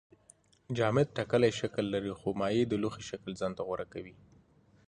جامد ټاکلی شکل لري خو مایع د لوښي شکل ځان ته غوره کوي